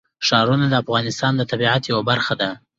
ښارونه د افغانستان د طبیعت یوه برخه ده.